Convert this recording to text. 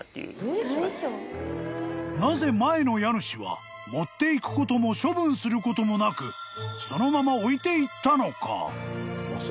［なぜ前の家主は持っていくことも処分することもなくそのまま置いていったのか？］